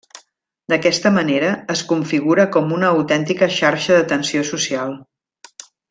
D'aquesta manera, es configura com una autèntica xarxa d'atenció social.